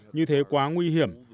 như thế quá nguy hiểm